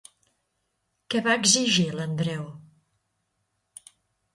Què va exigir l'Andreu?